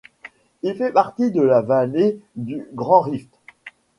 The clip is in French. Il fait partie de la vallée du grand rift.